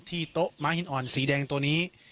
โต๊ะม้าหินอ่อนสีแดงตัวนี้